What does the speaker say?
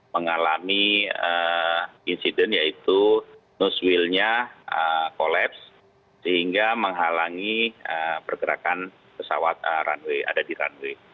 mengalami insiden yaitu nose wheel nya collapse sehingga menghalangi pergerakan pesawat ada di runway